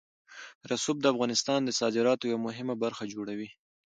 رسوب د افغانستان د صادراتو یوه مهمه برخه جوړوي.